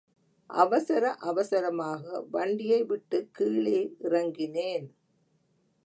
அவசர அவசரமாக வண்டியை விட்டுக் கீழே இறங்கினேன்.